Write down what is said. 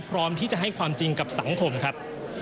กำอ่วลนะครับ